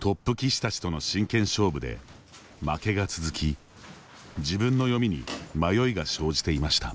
トップ棋士たちとの真剣勝負で負けが続き自分の読みに迷いが生じていました。